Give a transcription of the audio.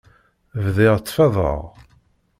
Bdiɣ ttfadeɣ.